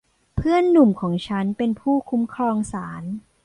เพื่อนหนุ่มของฉันเป็นผู้คุ้มครองศาล